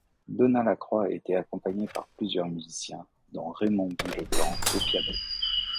Donat Lacroix a été accompagné par plusieurs musiciens, dont Raymond Guy Leblanc au piano.